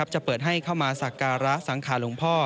จะเปิดให้เข้ามาสักการะสังขารหลวงพ่อ